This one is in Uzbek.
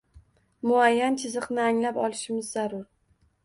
Muayyan chiziqni aniqlab olishimiz zarur.